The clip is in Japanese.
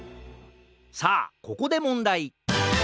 さあここでもんだい！